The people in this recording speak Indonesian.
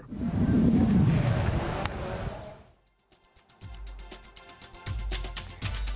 ketika di jawa timur